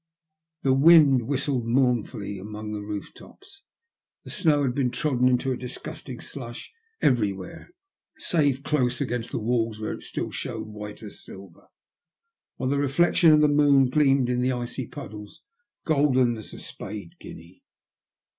The wind whistled mournfully among the roof tops ; the snow had been trodden into a disgusting slush everywhere, save close against the walls, where it still showed white as silver ; while the reflection of the moon gleamed in the icy puddles golden as a spade guinea.